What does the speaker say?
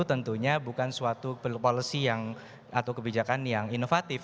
tentunya bukan suatu kebijakan yang inovatif